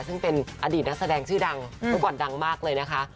ซึ่งเป็นอดีตนักแสดงชื่อดังเมื่อก่อนดังมากเลยนะคะ